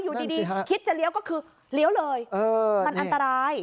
อยู่ดีคิดจะเลี้ยวก็คือเลี้ยวเลยมันอันตราย